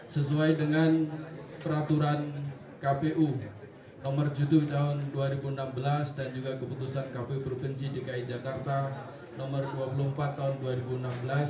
sesuai dengan peraturan kpu nomor tujuh tahun dua ribu enam belas dan juga keputusan kpu provinsi dki jakarta nomor dua puluh empat tahun dua ribu enam belas